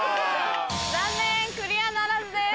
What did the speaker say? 残念クリアならずです。